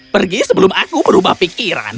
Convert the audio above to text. pergi sebelum aku berubah pikiran